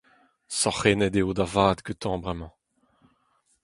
Sorc'hennet eo da vat gantañ bremañ.